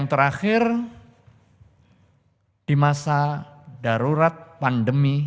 pemerintah harus menjamin